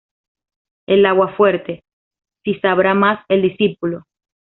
El aguafuerte ¿Si sabrá más el discípulo?